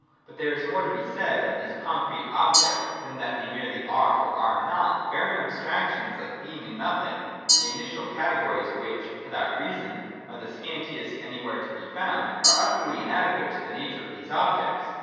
But there is more to be said of these concrete objects, than that they merely are or are not. Barren abstractions, like Being and Nothing — the initial categories which. 88.] BECOMING. 165 for that reason, are the scantiest anywhere to be found — are utterly inadequate to the nature of these objects.